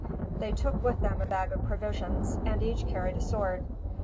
They took with them a bag of provisions, and each carried a sword.